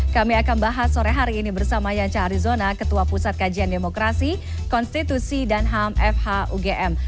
kami akan bahas sore hari ini bersama yanca arizona ketua pusat kajian demokrasi konstitusi dan ham fhugm